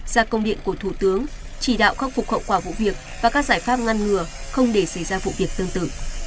ra công điện của thủ tướng chỉ đạo khắc phục hậu quả vụ việc và các giải pháp ngăn ngừa không để xảy ra vụ việc tương tự